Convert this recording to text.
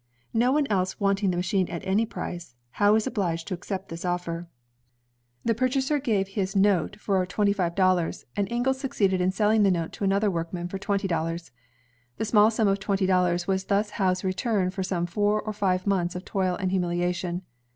No one else wanting the machine at any price, Howe was obliged to accept this offer. The purchaser gave his note ELIAS HOWE 13s for twenty five dollars, and Inglis succeeded in selling the note to another workman for twenty dollars. The small sum of twenty dollars was thus Howe's return for some four or five months of toil and humiliation.